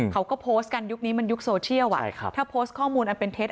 เขาก็โพสต์กันยุคนี้มันยุคโซเชียลถ้าโพสต์ข้อมูลอันเป็นเท็จ